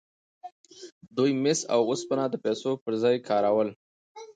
دوی مس او اوسپنه د پیسو پر ځای کارول.